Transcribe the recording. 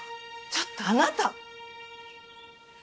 ちょっとあなた！